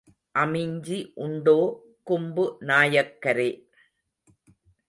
அமிஞ்சி உண்டோ கும்பு நாயக்கரே.